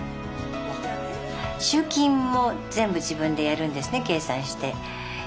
集金も全部自分でやるんですね計算して。